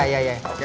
oke pak ya